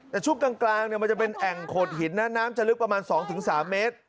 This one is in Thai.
แต่ชุดกลางมันจะเป็นแอ่งโขดหินนะน้ำจะลึกประมาณสองถึงสามเมตร